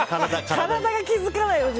体が気付かない。